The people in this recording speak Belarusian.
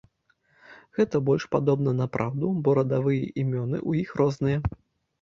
Гэта больш падобна на праўду, бо радавыя імёны ў іх розныя.